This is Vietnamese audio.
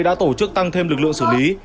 đã tổ chức tăng thêm lực lượng xử lý